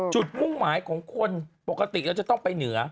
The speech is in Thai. มุ่งหมายของคนปกติเราจะต้องไปเหนือ